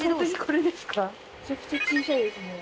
めちゃくちゃ小さいですね。